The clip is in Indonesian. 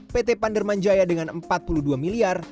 pt panderman jaya dengan empat puluh dua miliar